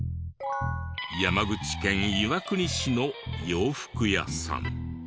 山口県岩国市の洋服屋さん。